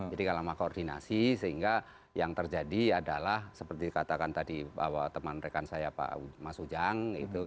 jadi kalau lemah koordinasi sehingga yang terjadi adalah seperti katakan tadi teman rekan saya pak mas ujang